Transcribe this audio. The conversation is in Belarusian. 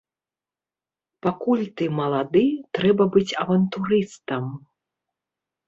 Пакуль ты малады, трэба быць авантурыстам.